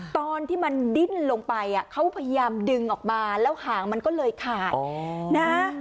ตอนที่มันดิ้นลงไปเขาพยายามดึงออกมาแล้วหางมันก็เลยขาดนะ